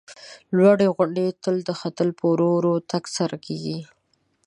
لوړې غونډۍ ته ختل په ورو ورو تگ سره کیږي.